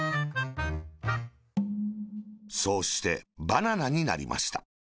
そうして、バナナになりました。